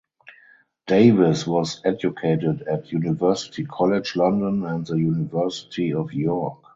Davies was educated at University College London and the University of York.